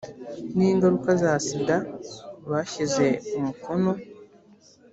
n ingaruka za sida bashyize umukono